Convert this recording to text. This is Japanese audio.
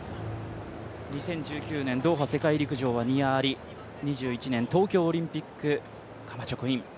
２０１９年ドーハ世界陸上はニア・アリ、２１年東京オリンピック、カマチョクイン。